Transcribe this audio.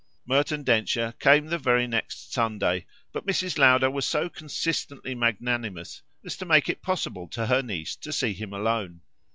Merton Densher came the very next Sunday; but Mrs. Lowder was so consistently magnanimous as to make it possible to her niece to see him alone.